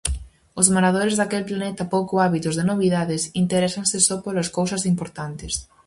Os moradores daquel planeta, pouco ávidos de novidades, interésanse só polas cousas importantes.